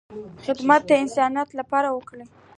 خدمت د انسانیت لپاره وکړه،